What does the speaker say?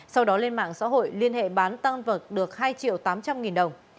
sau đó lên mạng xã hội liên hệ bán tăng vật được hai triệu tám trăm linh nghìn đồng